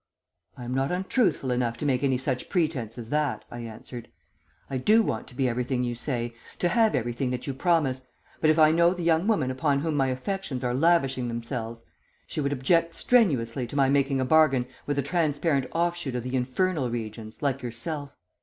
"'I am not untruthful enough to make any such pretence as that,' I answered. 'I do want to be everything you say, to have everything that you promise, but if I know the young woman upon whom my affections are lavishing themselves, she would object strenuously to my making a bargain with a transparent offshoot of the infernal regions like yourself.